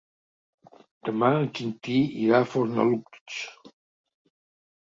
Demà en Quintí irà a Fornalutx.